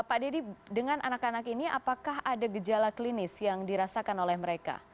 pak deddy dengan anak anak ini apakah ada gejala klinis yang dirasakan oleh mereka